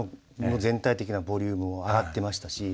全体的なボリュームも上がっていましたし。